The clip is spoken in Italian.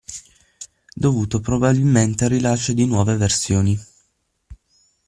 Dovuto probabilmente al rilascio di nuove versioni.